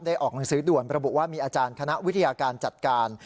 ออกหนังสือด่วนระบุว่ามีอาจารย์คณะวิทยาการจัดการ